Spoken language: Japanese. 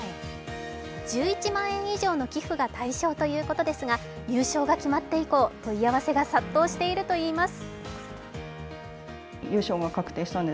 １１万円以上の寄付が対象ということですが優勝が決まって以降、問い合わせが殺到しているといいます。